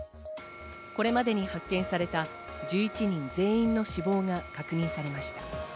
これまでに発見された１１人全員の死亡が確認されました。